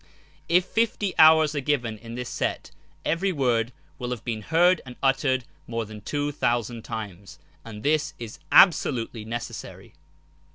If fifty hours are given to this set every word will have been heard and uttered more than two thousand times, and this is absolutely necessary.